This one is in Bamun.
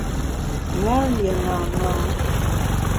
Mon lié ṅaṅâ.